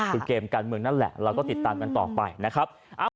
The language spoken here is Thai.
คือเกมการเมืองนั่นแหละเราก็ติดตามกันต่อไปนะครับ